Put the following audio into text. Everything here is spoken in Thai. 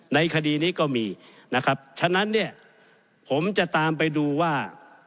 ในคดีนี้ก็มีนะครับฉะนั้นเนี่ยผมจะตามไปดูว่า